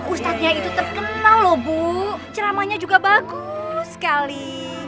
ustadznya itu terkenal loh bu ceramanya juga bagus sekali